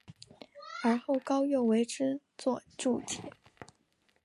而后高诱为之作注解。